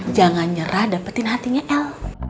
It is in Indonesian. jangan nyerah dapetin hatinya el